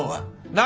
何！？